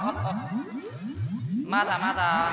まだまだ。